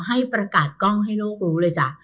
ให้ประกาศกล้องให้โลกรู้เลยจ้ะ